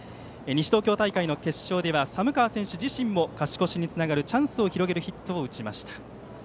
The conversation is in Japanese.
西東京大会の決勝では寒川選手自身も勝ち越しにつながるチャンスを広げるヒットを打ちました。